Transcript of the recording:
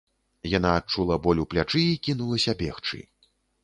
Яна адчула боль у плячы і кінулася бегчы.